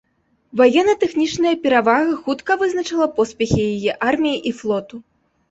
Ваенна-тэхнічная перавага хутка вызначыла поспехі яе арміі і флоту.